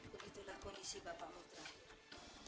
begitulah kondisi bapakmu terakhir